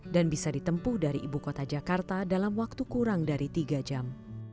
dan bisa ditempuh dari ibu kota jakarta dalam waktu kurang dari tiga jam